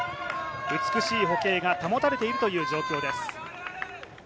美しい歩型が保たれているという状況です。